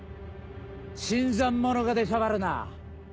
新参者が出しゃばるな。